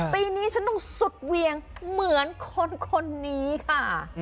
ปีนี้ฉันต้องสุดเวียงเหมือนคนนี้ค่ะ